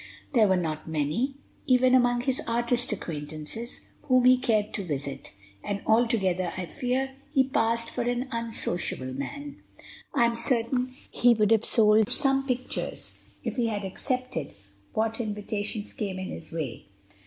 There were not many, even among his artist acquaintances, whom he cared to visit; and, altogether, I fear he passed for an unsociable man. I am certain he would have sold more pictures if he had accepted what invitations came in his way.